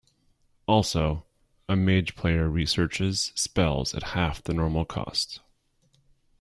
Also, a mage player researches spells at half the normal cost.